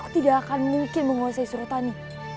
tidak akan mungkin menguasai surutani